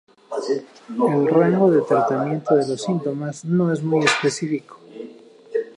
El rango de tratamiento de los síntomas no es muy específico.